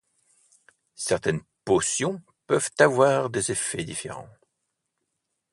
Certaines potions peuvent avoir des effets différents.